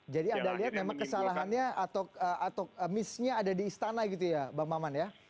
jadi ada lihat memang kesalahannya atau miss nya ada di istana gitu ya mbak maman ya